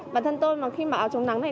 bản thân tôi khi mà áo trông nắng này